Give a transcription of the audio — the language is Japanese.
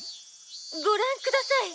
「ご覧ください！